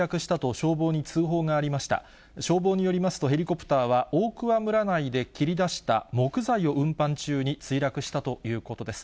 消防によりますと、ヘリコプターは、大桑村内で切り出した木材を運搬中に墜落したということです。